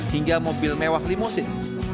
hingga mobil mewah limusin